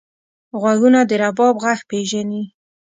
غوږونه د رباب غږ پېژني